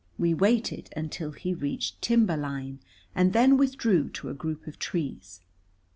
We waited until he reached timber line, and then withdrew to a group of trees.